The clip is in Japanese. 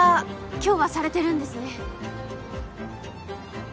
今日はされてるんですね。